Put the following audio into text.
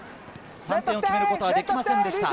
３点を決めることはできませんでした。